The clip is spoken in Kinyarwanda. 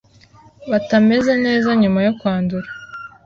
batameze neza nyuma yo kwandura.